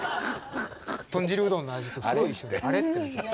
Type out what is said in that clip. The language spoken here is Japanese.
豚汁うどんの味とすごい一緒で「あれ」ってなっちゃった。